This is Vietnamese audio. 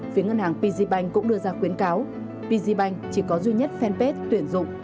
phía ngân hàng pzbank cũng đưa ra khuyến cáo pzbank chỉ có duy nhất fanpage tuyển dụng